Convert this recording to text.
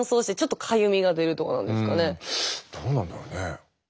どうなんだろうね。